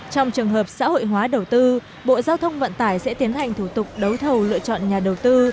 trong trường hợp xã hội hóa đầu tư bộ giao thông vận tải sẽ tiến hành thủ tục đấu thầu lựa chọn nhà đầu tư